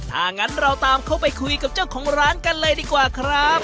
ถ้างั้นเราตามเขาไปคุยกับเจ้าของร้านกันเลยดีกว่าครับ